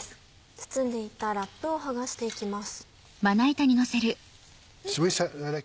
包んでいたラップを剥がして行きます。